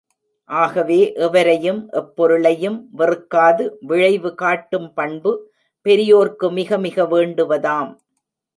ஆகவே, எவரையும், எப்பொருளையும் வெறுக்காது விழைவு காட்டும் பண்பு, பெரியோர்க்கு மிக மிக வேண்டுவதாம்.